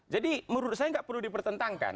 jadi menurut saya tidak perlu dipertentangkan